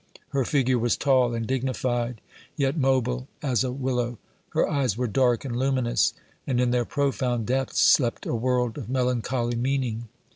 Her figure was tall and dignified, yet mobile as a willow; her eyes were dark and luminous, and, in their profound depths, slept a world of melancholy meaning.